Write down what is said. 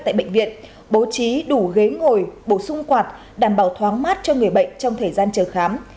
tại bệnh viện bố trí đủ ghế ngồi bổ sung quạt đảm bảo thoáng mát cho người bệnh trong thời gian chờ khám